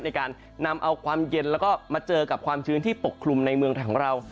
ในการนำเอาความเย็นแล้วก็มาเจอกับความชื้นที่ปกคลุมในเมืองไทยของเรา